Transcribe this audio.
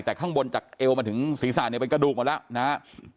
แต่ข้างบนจากเอวมาถึงศีรษะเนี่ยเป็นกระดูกหมดแล้วนะครับ